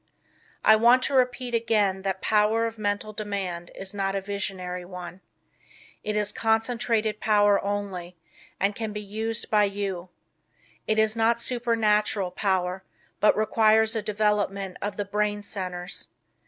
I want to repeat again that Power of Mental Demand is not a visionary one. It is concentrated power only, and can be used by you. It is not supernatural power, but requires a development of the brain centers.